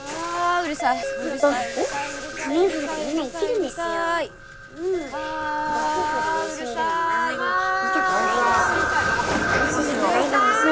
うるさーい！